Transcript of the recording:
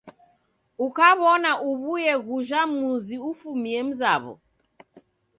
Ukaw'ona uw'ue ghuja muzi ufumie mzaw'o.